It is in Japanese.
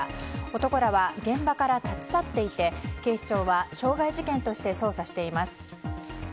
男らは現場から立ち去っていて警視庁は傷害事件として捜査しています。